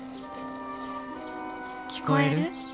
「聞こえる？